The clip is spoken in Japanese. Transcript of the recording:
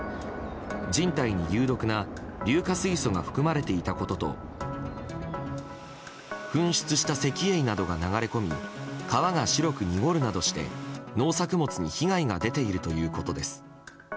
人体に有毒な硫化水素が含まれていたことと噴出した石英などが流れ込み川が白く濁るなどして農作物に被害が出ているということです。